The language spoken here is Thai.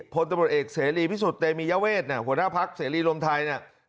พลตมเอกเสรียพิสุทธิ์เฮมียาเวทหัวหน้าภักดิ์เสรีรวมไทย